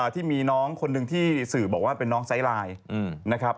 ที่มีน้องคนหนึ่งที่สื่อบอกว่าเป็นน้องไซไลน์นะครับ